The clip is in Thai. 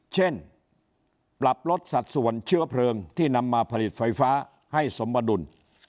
เช่นปรับลดสัดส่วนเชื้อเพลิงที่นำมาผลิตไฟฟ้าให้สมบดุล